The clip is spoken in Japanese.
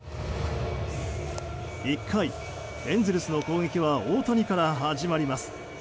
１回、エンゼルスの攻撃は大谷から始まります。